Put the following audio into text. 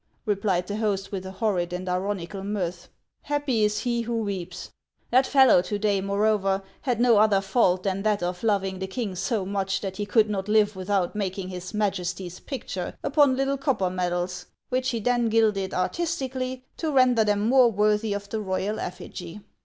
replied the host, with a horrid and ironical mirth. " Happy is he. who weeps ! That fellow to day, moreover, had no other fault than that of loving the king so much that he could not live without making his Majesty's picture upon little copper medals, which he then gilded artistically to render them more worthy of the royal effigy.